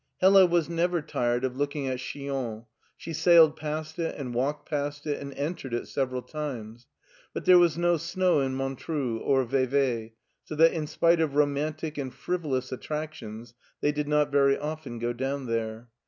Hella was never tired of looking at Chillon, she sailed past it, and walked past it, and entered it several times. But there was no snow in Montreux or Vevey, so that in spite of romantic and frivolous attractions they did not very often go down there.